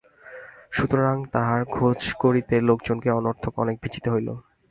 সুতরাং তাহার খোঁজ করিতে লোকজনকে অনর্থক অনেক ভিজিতে হইল।